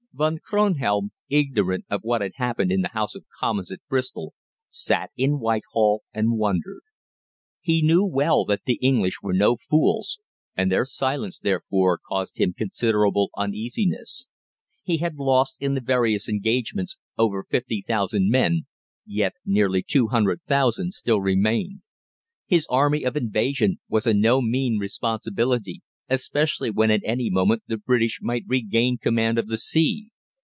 Von Kronhelm, ignorant of what had occurred in the House of Commons at Bristol, sat in Whitehall and wondered. He knew well that the English were no fools, and their silence, therefore, caused him considerable uneasiness. He had lost in the various engagements over 50,000 men, yet nearly 200,000 still remained. His army of invasion was a no mean responsibility, especially when at any moment the British might regain command of the sea.